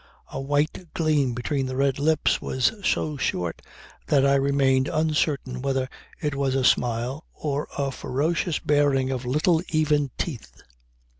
A white gleam between the red lips was so short that I remained uncertain whether it was a smile or a ferocious baring of little even teeth.